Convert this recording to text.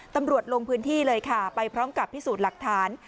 ตำรวจลงพื้นที่เลยค่ะไปพร้อมกับพิสูจน์หลักฐาน